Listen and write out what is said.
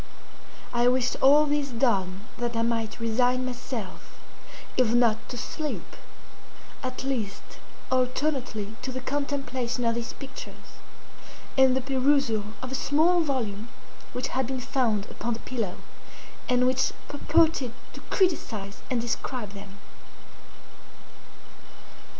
I wished all this done that I might resign myself, if not to sleep, at least alternately to the contemplation of these pictures, and the perusal of a small volume which had been found upon the pillow, and which purported to criticise and describe them.